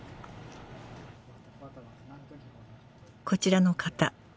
こちらの方